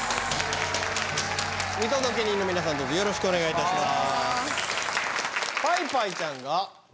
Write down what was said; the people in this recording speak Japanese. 見届け人の皆さんよろしくお願いいたします。